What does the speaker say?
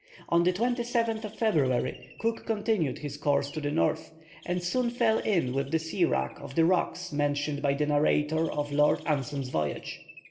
On the 27th of February, Cook continued his course to the north, and soon fell in with the sea wrack of the rocks mentioned by the narrator of Lord Anson's voyage.